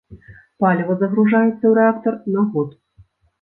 Паліва загружаецца ў рэактар на год.